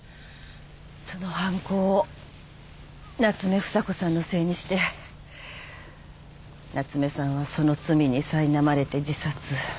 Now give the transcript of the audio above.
その犯行を夏目房子さんのせいにして夏目さんはその罪にさいなまれて自殺。